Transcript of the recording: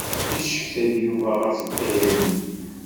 Yeccetka-d Yuba ɣef ukayad-nni.